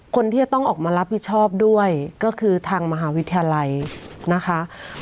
คนที่จะต้องออกมารับผิดชอบด้วยก็คือทางมหาวิทยาลัยนะคะ